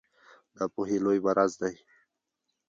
ناپوهي لوی مرض دی